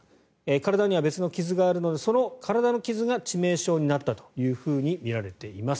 体には別の傷があるのでその体の傷が致命傷になったとみられています。